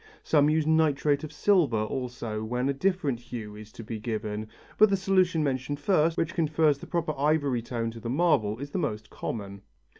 Some use nitrate of silver also when a different hue is to be given, but the solution mentioned first, which confers the proper ivory tone to the marble, is the most common.